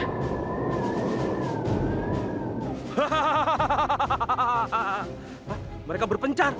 ski perlindungan kita berpencar aja